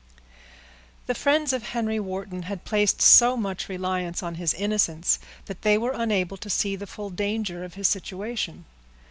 _ The friends of Henry Wharton had placed so much reliance on his innocence, that they were unable to see the full danger of his situation.